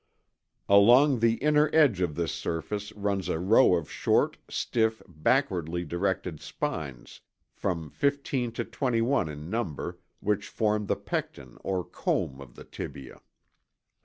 Along the inner edge of this surface runs a row of short, stiff, backwardly directed spines, from 15 to 21 in number, which form the pecten or comb of the tibia.